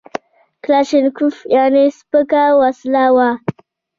کلاشینکوف یعنې سپکه وسله وه